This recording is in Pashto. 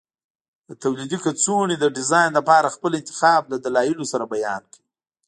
د تولیدي کڅوړو د ډیزاین لپاره خپل انتخاب له دلایلو سره بیان کړئ.